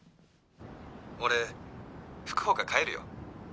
「俺福岡帰るよ」